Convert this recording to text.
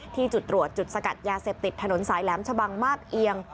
ที่จุดตรวจจุดสกัดยาเสพติดถนนสายแหลมชะบังมาบเอียง